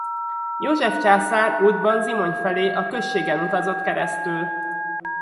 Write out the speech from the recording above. József császár útban Zimony felé a községen utazott keresztül.